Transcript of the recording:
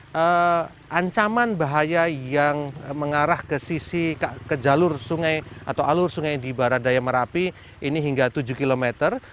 jadi ancaman bahaya yang mengarah ke jalur sungai atau alur sungai di barat daya merapi ini hingga tujuh km